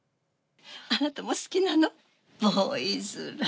あなたも好きなの？